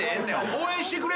「応援してくれよ」